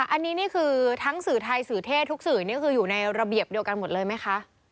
อันนี้นี่คือทั้งสื่อไทยสื่อเทศทุกสื่อนี่คืออยู่ในระเบียบเดียวกันหมดเลยไหมคะ